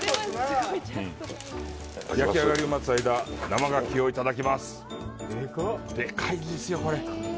焼き上がりを待つ間、生牡蠣をいただきます。